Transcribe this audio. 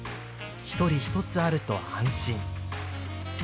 １人１つあると安心。